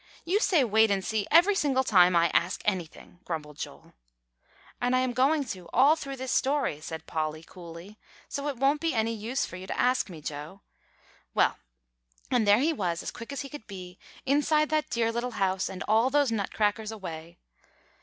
"You say, 'wait and see,' every single time I ask anything," grumbled Joel. "And I am going to all through this story," said Polly coolly; "so it won't be any use for you to ask me, Joe. Well, and there he was as quick as could be, inside that dear little house, and all those Nutcrackers away."